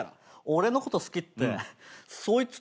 俺のこと好きってそいつ